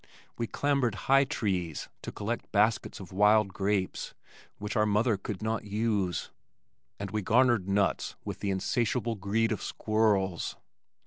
We clambered high trees to collect baskets of wild grapes which our mother could not use, and we garnered nuts with the insatiable greed of squirrels.